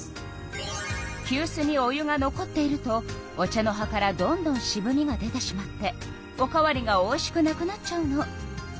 きゅうすにお湯が残っているとお茶の葉からどんどんしぶみが出てしまっておかわりがおいしくなくなっちゃうの。